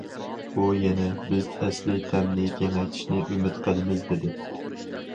ئۇ يەنە بىز ئەسلى تەمنى كېڭەيتىشنى ئۈمىد قىلىمىز، دېدى.